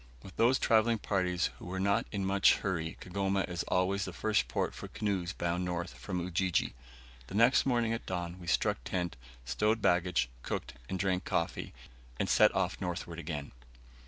With those travelling parties who are not in much hurry Kigoma is always the first port for canoes bound north from Ujiji. The next morning at dawn we struck tent, stowed baggage, cooked, and drank coffee, and set off northward again.